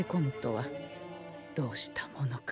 どうしたものか。